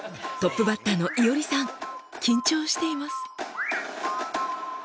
トップバッターのいおりさん緊張しています。